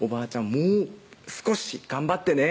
もう少し頑張ってね」